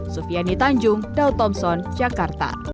sufiani tanjung daltomson jakarta